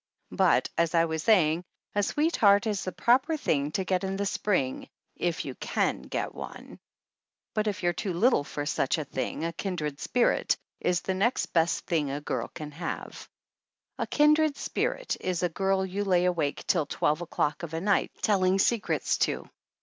But as I was saying, a sweetheart is the proper thing to get in the spring if you can get one ; but if you're too little for such a thing a kindred spirit is the next best thing a girl can have. A kindred spirit is a girl you lay awake till twelve o'clock of a night telling secrets to.